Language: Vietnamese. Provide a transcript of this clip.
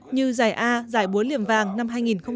như giải a giải bốn liềm vàng năm hai nghìn một mươi bảy